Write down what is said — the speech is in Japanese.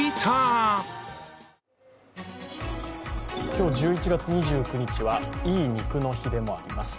今日１１月２９日はいい肉の日でもあります。